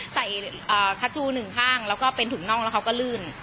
ใส่คัชชูหนึ่งข้างแล้วก็เป็นถุงน่องแล้วเขาก็ลื่น